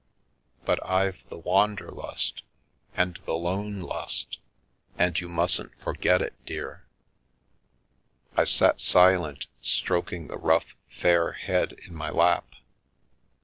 But I've the wander lust and the lone lust, and you mustn't forget it, dear." I sat silent, stroking the rough, fair head in my lap.